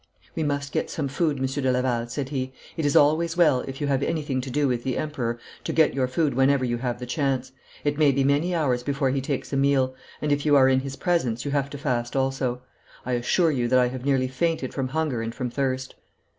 'We must get some food, Monsieur de Laval,' said he. 'It is always well, if you have anything to do with the Emperor, to get your food whenever you have the chance. It may be many hours before he takes a meal, and if you are in his presence you have to fast also. I assure you that I have nearly fainted from hunger and from thirst.'